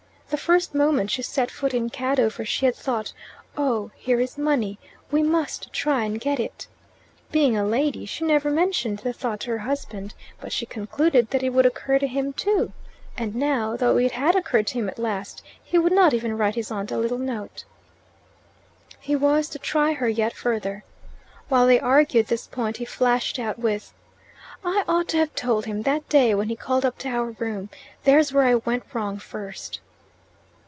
The first moment she set foot in Cadover she had thought, "Oh, here is money. We must try and get it." Being a lady, she never mentioned the thought to her husband, but she concluded that it would occur to him too. And now, though it had occurred to him at last, he would not even write his aunt a little note. He was to try her yet further. While they argued this point he flashed out with, "I ought to have told him that day when he called up to our room. There's where I went wrong first."